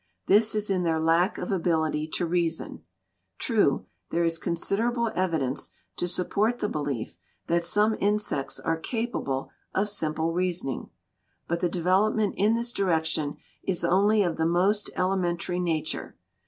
This is in their lack of ability to reason. True, there is considerable evidence to support the belief that some insects are capable of simple reasoning, but the development in this direction is only of the most elementary nature.